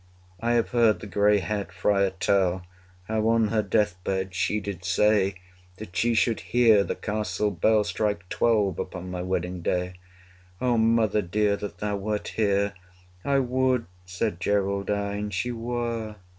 I have heard the grey haired friar tell How on her death bed she did say, That she should hear the castle bell 200 Strike twelve upon my wedding day. O mother dear! that thou wert here! I would, said Geraldine, she were!